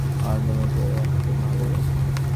আনন্দময়ী কহিলেন, এখন একটু ভালোই আছেন।